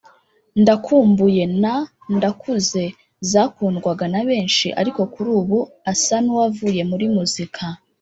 Ndakumbuye na Ndakuze zakundwaga na benshi ariko kuri ubu asa n’uwavuye muri muzika